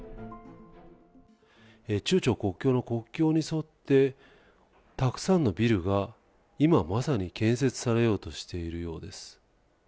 中朝国境の国境に沿って、たくさんのビルが、今まさに建設されようとしているようです。